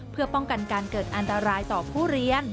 เพื่อป้องกันการเกิดอันตรายต่อผู้เรียน